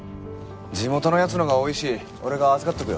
地元の奴のが多いし俺が預かっておくよ。